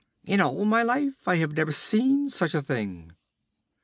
'In all my life I have never seen such a thing!'